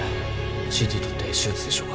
ＣＴ撮って手術でしょうか？